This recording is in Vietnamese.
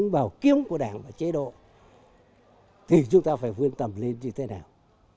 bảo kiếm của đảng và chế độ thì chúng ta phải vươn tầm lên như thế nào